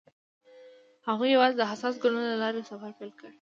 هغوی یوځای د حساس ګلونه له لارې سفر پیل کړ.